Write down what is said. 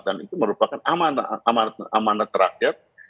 dan itu merupakan amanat rakyat